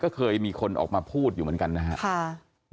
ก็เคยมีคนออกมาพูดอยู่เหมือนกันนะครับ